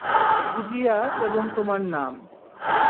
গুজিয়া এবং তোমার নাম।